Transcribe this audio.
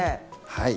はい。